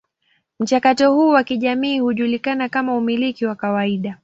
Mchakato huu wa kijamii hujulikana kama umiliki wa kawaida.